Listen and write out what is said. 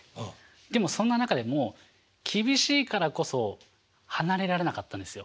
でもそんな中でも厳しいからこそ離れられなかったんですよ。